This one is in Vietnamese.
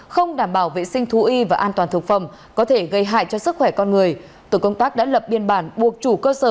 không đảm bảo vệ sinh thú y và an toàn thực phẩm có thể gây hại cho sức khỏe con người tổ công tác đã lập biên bản buộc chủ cơ sở